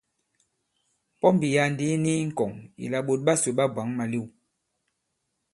Pɔmbì ya᷅ ndī i ni i ŋkɔ̀ŋ ìlà ɓòt ɓasò ɓa bwǎŋ malew.